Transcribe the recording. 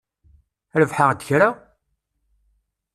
Rebḥeɣ-d kra?